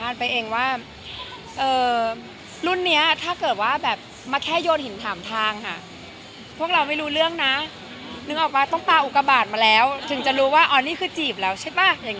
ไปเองว่ารุ่นนี้ถ้าเกิดว่าแบบมาแค่โยนหินถามทางค่ะพวกเราไม่รู้เรื่องนะนึกออกป่ะต้องตาอุกบาทมาแล้วถึงจะรู้ว่าอ๋อนี่คือจีบแล้วใช่ป่ะอย่างนี้